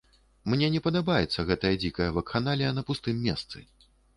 Мне не падабаецца гэтая дзікая вакханалія на пустым месцы.